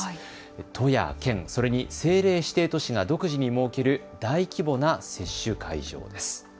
都や県、それに政令指定都市が独自に設ける大規模な接種会場です。